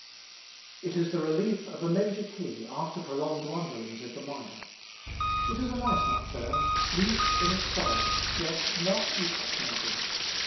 It is the relief of a major key after prolonged wanderings in the minor. It is a nice nocturne, neat in its sorrow, yet not epoch making.